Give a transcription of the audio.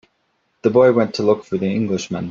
The boy went to look for the Englishman.